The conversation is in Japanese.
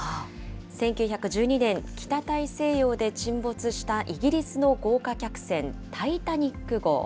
１９１２年、北大西洋で沈没したイギリスの豪華客船、タイタニック号。